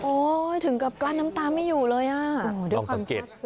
โอ้ยถึงกับกล้านน้ำตามันอยู่เลยอ่ะเหมือนต้องสังเกต